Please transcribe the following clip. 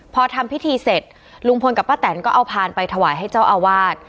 พอทำพิธีเสร็จลุงพลกับป้าแตนก็เอาพานไปถวายให้เจ้าอาวาส